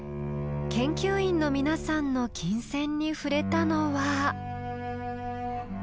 研究員の皆さんの琴線に触れたのは。